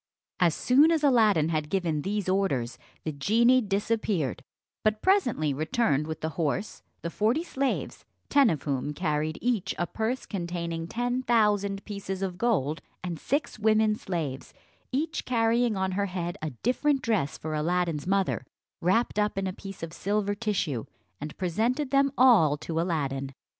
As soon as Aladdin had given these orders, the genie disappeared, but presently returned with the horse, the forty slaves, ten of whom carried each a purse containing ten thousand pieces of gold, and six women slaves, each carrying on her head a different dress for Aladdin's mother, wrapt up in a piece of silver tissue, and presented them all to Aladdin.